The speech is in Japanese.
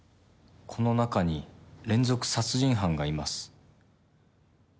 この中に連続殺人犯がいます。